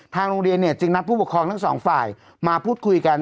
ทางโรงเรียนจึงนัดผู้ปกครองทั้งสองฝ่ายมาพูดคุยกัน